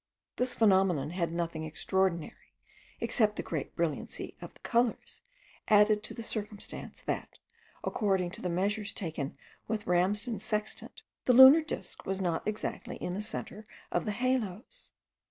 This phenomenon had nothing extraordinary, except the great brilliancy of the colours, added to the circumstance, that, according to the measures taken with Ramsden's sextant, the lunar disk was not exactly in the centre of the haloes.